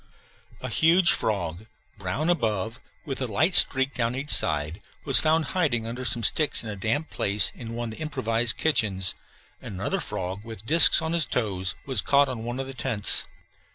A huge frog, brown above, with a light streak down each side, was found hiding under some sticks in a damp place in one of the improvised kitchens; and another frog, with disks on his toes, was caught on one of the tents.